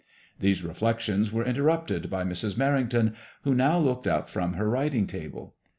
These reflections were inter rupted by Mrs. Merrington, who now looked up from her writing table.